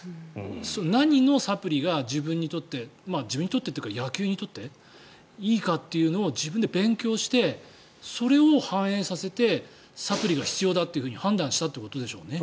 何のサプリが自分にとって自分にとってというか野球にとっていいかを自分で勉強してそれを反映させてサプリが必要だって判断したってことでしょうね。